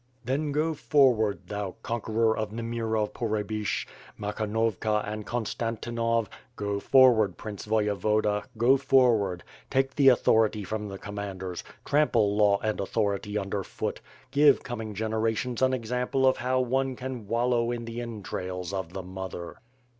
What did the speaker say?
Then go forward, thou conqueror of Nimirov Pohrebyshch, Makhnovka and Konstantinov, go fon^'ard Prince Voyevoda, go forward, take the authority from the commanders, trample law and authority under foot, give coming generations an example of how one can wallow in the entrails of the mother.